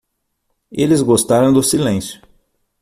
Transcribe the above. Eles gostaram do silêncio.